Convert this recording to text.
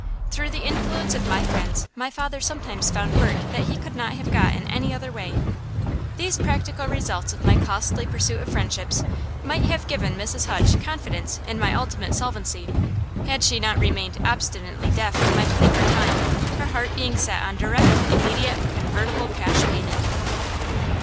Through the influence of my friends my father sometimes found work that he could not have got in any other way. These practical results of my costly pursuit of friendships might have given Mrs. Hutch confidence in my ultimate solvency, had she not remained obstinately deaf to my plea for time, her heart being set on direct, immediate, convertible cash payment.